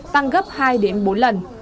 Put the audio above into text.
tăng gấp hai đến bốn lần